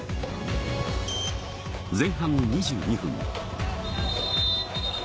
前半２２分。